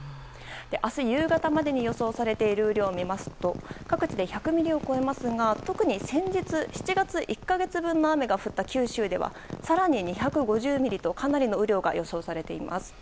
明日夕方までに予想されている雨量を見ますと各地で１００ミリを超えますが特に先日７月１か月分の雨が降った九州では更に２５０ミリとかなりの雨量が予想されています。